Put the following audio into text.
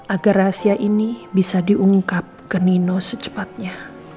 agar rahasia ini bisa diungkap ke nino secepatnya